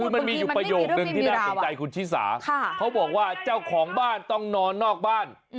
มันมีอยู่ประโยคนึงที่น่าสนใจคุณชิสาเขาบอกว่าเจ้าของบ้านต้องนอนนอกบ้าน